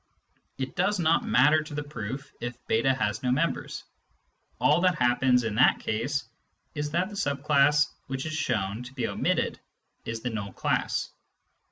It does not matter to the proof if j3 has no members : all that happens in that case is that the sub class which is shown to be omitted is the null class.